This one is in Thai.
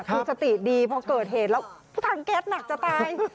คือสติดีพอเกิดเหตุแล้วถังแก๊สหนักจะตาย